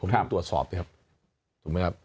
ผมต้องตรวจสอบนะครับ